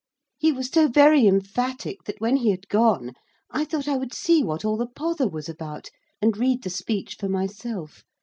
He was so very emphatic that when he had gone I thought I would see what all the pother was about, and read the speech for myself.